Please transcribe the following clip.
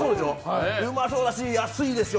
うまそうだし、安いですよ。